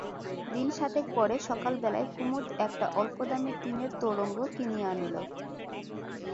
দিন সাতেক পরে সকালবেলায় কুমুদ একটা অল্পদামি টিনের তোরঙ্গ কিনিয়া আনিল।